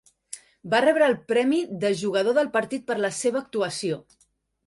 Va rebre el premi de jugador del partit per la seva actuació.